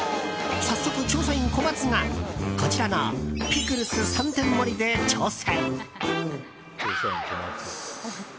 早速、調査員・コマツがこちらのピクルス３点盛りで挑戦。